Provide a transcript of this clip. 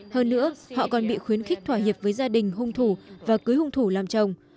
hơn nữa họ còn bị khuyến khích thỏa hiệp với gia đình hung thủ và cưới hung thủ làm chồng